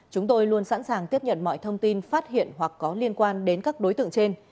chúng tôi luôn sẵn sàng tiếp nhận mọi thông tin phát hiện hoặc có liên quan đến các đối tượng trên